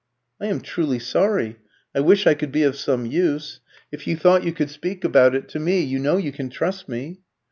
"I am truly sorry. I wish I could be of some use. If you thought you could speak about it to me, you know you can trust me."